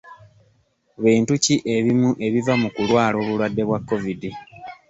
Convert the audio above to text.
Bintu ki ebimu ebiva mu kulwala obulwadde bwa kovidi?